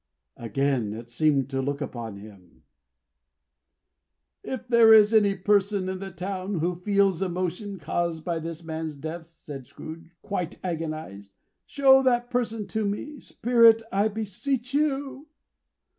Again it seemed to look upon him. "If there is any person in the town, who feels emotion caused by this man's death," said Scrooge, quite agonized, "show that person to me, Spirit, I beseech you!"